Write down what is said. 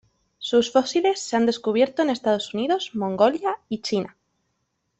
Sus fósiles se han descubierto en Estados Unidos, Mongolia y China.